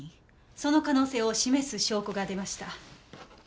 その可能性を示す証拠が出ました。